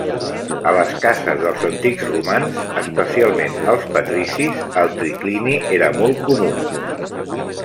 A les cases dels antics romans, especialment els patricis, el triclini era molt comú.